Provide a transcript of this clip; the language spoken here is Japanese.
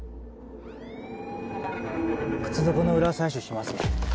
靴底の裏採取しますね。